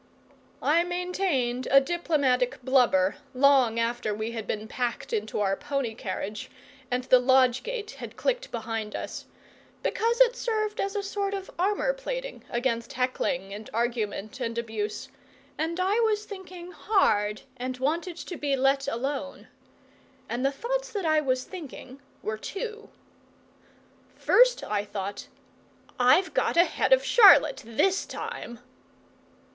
I maintained a diplomatic blubber long after we had been packed into our pony carriage and the lodge gate had clicked behind us, because it served as a sort of armour plating against heckling and argument and abuse, and I was thinking hard and wanted to be let alone. And the thoughts that I was thinking were two. First I thought, "I've got ahead of Charlotte THIS time!"